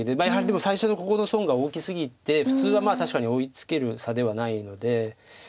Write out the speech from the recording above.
やはりでも最初のここの損が大きすぎて普通は確かに追いつける差ではないので。